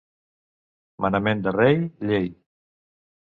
Manament de rei, llei.